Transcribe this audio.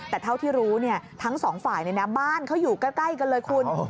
แต่เท่าที่รู้ทั้งสองฝ่ายบ้านเขาอยู่ใกล้กันเลยคุณ